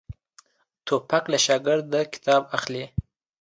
توپک له شاګرده کتاب اخلي.